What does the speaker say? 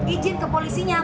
izin ke polisinya mbak